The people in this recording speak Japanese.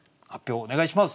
お願いします。